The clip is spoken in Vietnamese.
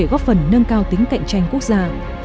cao tính cạnh tranh quốc gia